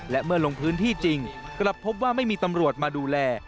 และเมื่อลงพื้นที่จริงกลับพบว่าไม่มีตำรวจมาดูแล